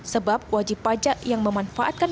sebab wajib pajak yang memanfaatkan